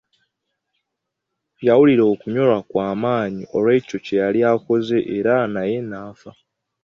Yawulira okunyolwa kwa maanyi olw'ekyo kye yali akoze era naye n'afa.